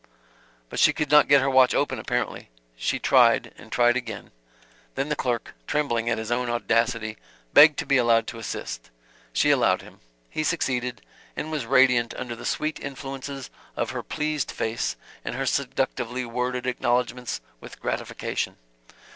But she could not get her watch open, apparently. She tried, and tried again. Then the clerk, trembling at his own audacity, begged to be allowed to assist. She allowed him. He succeeded, and was radiant under the sweet influences of her pleased face and her seductively worded acknowledgements with gratification.